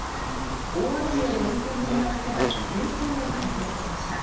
大雨による運転の見合わせは全線で解消されました。